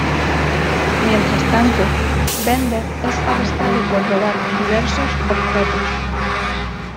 Mientras tanto, Bender es arrestado por robar diversos objetos.